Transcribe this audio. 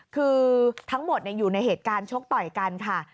คือทั้งหมดอยู่ในเหตุการณ์ชกต่อยกันค่ะ